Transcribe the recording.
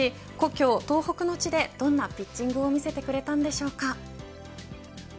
岩手出身ですし故郷、東北の地でどんなピッチングを見せてくれたんでしょうか。